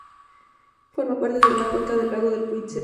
Forma parte de la cuenca del lago de Cuitzeo.